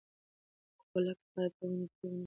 غولکه باید په ونې پورې ونه نیول شي.